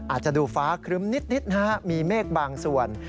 อาจจะดูฟ้าครึ้มนิดนะฮะมีเมฆบางส่วน